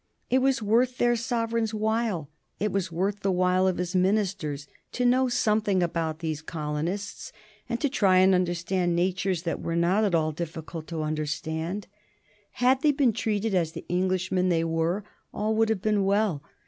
It was worth their sovereign's while, it was worth the while of his ministers, to know something about these colonists and to try and understand natures that were not at all difficult to understand. Had they been treated as the Englishmen they were, all would have been well.